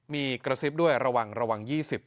มีกระซิบด้วยระวังระวัง๒๐